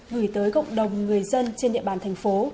gửi tới cộng đồng người dân trên địa bàn thành phố